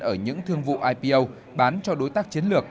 ở những thương vụ ipo bán cho đối tác chiến lược